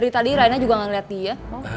tadi raihna juga gak liat dia